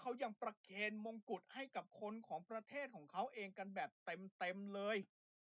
เขายังประเคนมงกุฎให้กับคนของประเทศของเขาเองกันแบบเต็มเลย